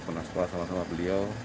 pernah sekolah sama sama beliau